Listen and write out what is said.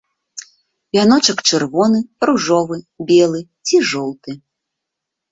Вяночак чырвоны, ружовы, белы ці жоўты.